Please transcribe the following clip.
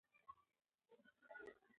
خندا درد کموي.